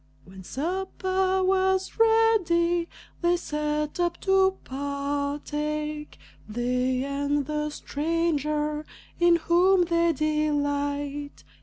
When supper was ready, they sat up to partake They and the stranger, in whom they delight.